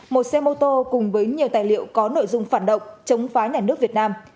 một xe mô tô cùng với nhiều tài liệu có nội dung phản động chống phá nhà nước việt nam